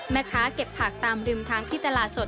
แม่ค้าเก็บผักตามริมทางที่ตลาดสด